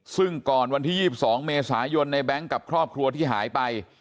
ซึ่งก่อนวันที่๒๒เมษายนในแบงค์กับครอบครัวที่หายไป